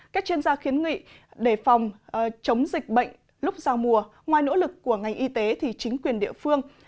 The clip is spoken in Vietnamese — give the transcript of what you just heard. các chuyên gia khuyến nghị để phòng chống dịch bệnh lúc giao mùa ngoài nỗ lực của ngành y tế thì chính quyền địa phương